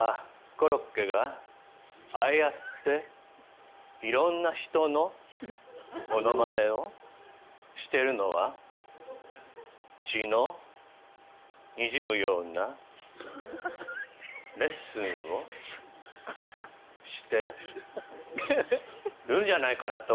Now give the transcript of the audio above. コロッケがああやっていろんな人のものまねをしてるのは血のにじむようなレッスンをしてるんじゃないかなって思うの。